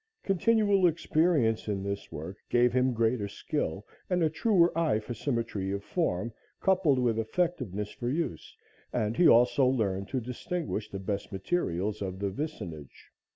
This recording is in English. Continual experience in this work gave him greater skill and a truer eye for symmetry of form coupled with effectiveness for use, and he also learned to distinguish the best materials of the vicinage.